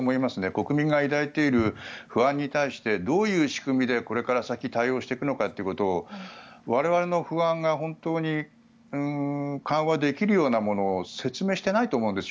国民が抱いている不安に対してどういう仕組みでこれから先対応していくのかっていうことを我々の不安が本当に緩和できるようなものを説明していないと思うんです。